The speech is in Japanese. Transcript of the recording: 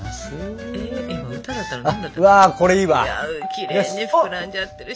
きれいに膨らんじゃってるし。